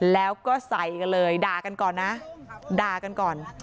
แล้วก็ใส่กันเลยด่ากันก่อนนะด่ากันก่อน